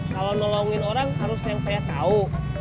seorang harus yang saya tau